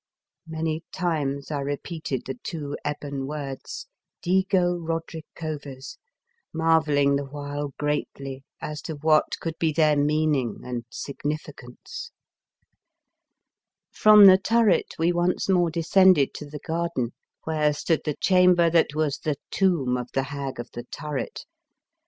Many times I repeated the two ebon words " DlGO RODRICOVEZ, " marvel ling the while greatly as to what could be their meaning and significance. 94 The Fearsome Island From the turret we once more de scended to the garden, where stood the chamber that was the tomb of the Hag of the Turret.